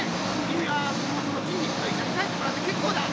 君はもうその筋肉と一緒に帰ってもらって結構だ！